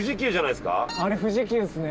あれ富士急っすね。